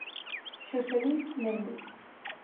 Xosé Luís Méndez